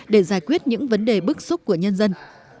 để giải quyết những vấn đề bức xúc của nhân dân